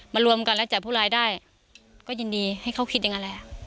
รวมกันแล้วจับผู้ร้ายได้ก็ยินดีให้เขาคิดอย่างนั้นแหละ